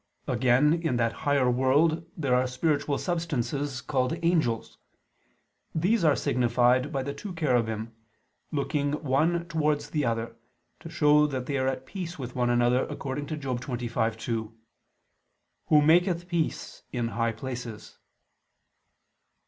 Again in that higher world there are spiritual substances called angels. These are signified by the two cherubim, looking one towards the other, to show that they are at peace with one another, according to Job 25:2: "Who maketh peace in ... high places."